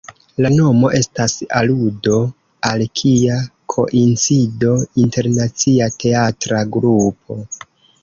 La nomo estas aludo al Kia koincido, internacia teatra grupo.